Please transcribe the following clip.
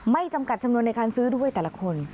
จำกัดจำนวนในการซื้อด้วยแต่ละคน